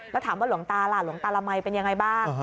แล้วถามว่าหลวงตาล่ะหลวงตาละมัยเป็นยังไงบ้าง